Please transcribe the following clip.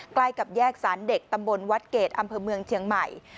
ใกล้กับแยกสารเด็กตำบลวัดเกรดอำเภอเมืองเชียงใหม่